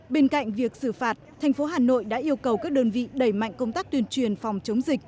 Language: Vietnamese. bên cạnh việc xử phạt thành phố hà nội đã yêu cầu các đơn vị đẩy mạnh công tác tuyên truyền phòng chống dịch